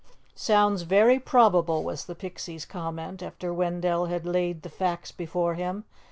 "Sounds very probable," was the Pixie's comment, after Wendell had laid the facts before him.